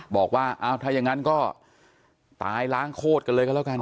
บอกว่าอ้าวถ้าอย่างนั้นก็ตายล้างโคตรกันเลยก็แล้วกัน